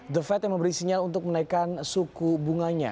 the fed yang memberi sinyal untuk menaikkan suku bunganya